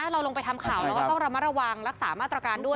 เราลงไปทำข่าวเราก็ต้องระมัดระวังรักษามาตรการด้วย